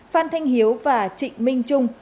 phan thanh hiếu và trịnh minh trung